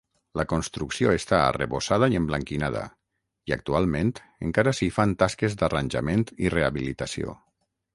La construcció està arrebossada i emblanquinada, i actualment encara s'hi fan tasques d'arranjament i rehabilitació.